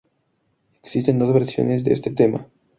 Existen dos versiones de este tema.